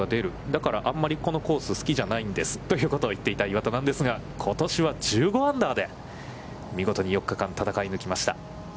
だからあんまりこのコース好きじゃないんですということを言っていた岩田なんですが、ことしは１５アンダーで見事に４日間戦い抜きました。